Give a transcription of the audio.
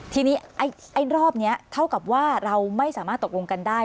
ทีนี้ไอ้รอบนี้เท่ากับว่าเราไม่สามารถตกลงกันได้